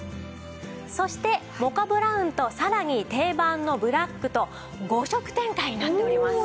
そしてモカブラウンとさらに定番のブラックと５色展開になっております。